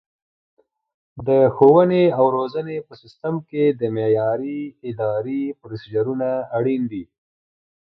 د ښوونې او روزنې په سیستم کې د معیاري ادرایې پروسیجرونه اړین دي.